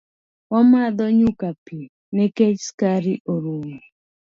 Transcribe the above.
Wamadho nyuka pii nikech sukari orumo